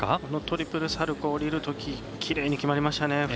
このトリプルサルコー降りるとききれいに決まりましたね。